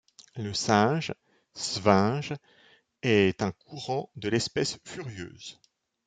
Le singe — svinge — est un courant de l’espèce furieuse.